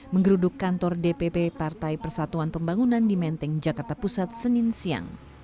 menggeruduk kantor dpp partai persatuan pembangunan di menteng jakarta pusat senin siang